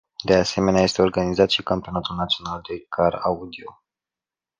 De asemenea este organizat și campionatul național de car-audio.